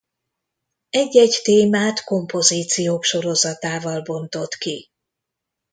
Egy-egy témát kompozíciók sorozatával bontott ki.